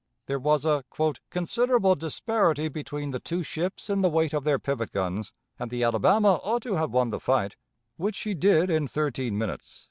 There was a "considerable disparity between the two ships in the weight of their pivot guns, and the Alabama ought to have won the fight, which she did in thirteen minutes."